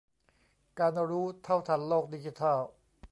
การรู้เท่าทันโลกดิจิทัล